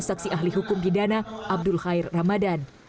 saksi ahli hukum pidana abdul khair ramadan